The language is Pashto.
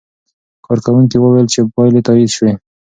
کارکوونکي وویل چې پایلې تایید شوې.